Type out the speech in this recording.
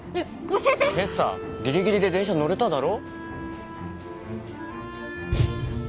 教えて今朝ギリギリで電車乗れただろ？